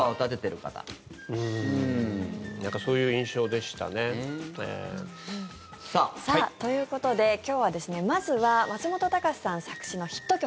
そういう印象でしたね。ということで今日はまずは松本隆さん作詞のヒット曲